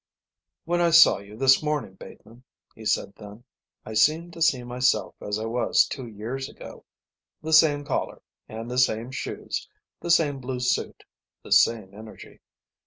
"When I saw you this morning, Bateman," he said then, "I seemed to see myself as I was two years ago. The same collar, and the same shoes, the same blue suit, the same energy.